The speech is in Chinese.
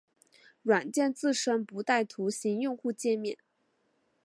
软件自身不带图形用户界面。